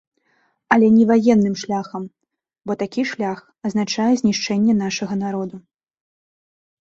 Але не ваенным шляхам, бо такі шлях азначае знішчэнне нашага народа.